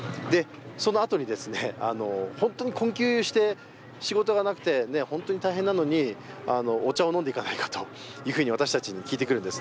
そのあとに、本当に困窮して仕事がなくて本当に大変なのに、お茶を飲んでいかないかと私たちに聞いてくるんです。